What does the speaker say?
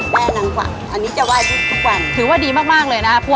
ป้าขายแล้วก็มีแม่น้ำกว่าอันนี้จะไหว้ทุกวัน